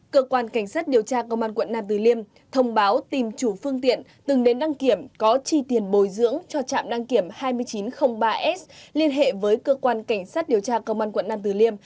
cơ quan cảnh sát điều tra công an quận nam từ liêm thông báo tìm chủ phương tiện từng đến đăng kiểm có chi tiền bồi dưỡng cho trạm đăng kiểm hai nghìn chín trăm linh ba s liên hệ với cơ quan cảnh sát điều tra công an quận nam tử liêm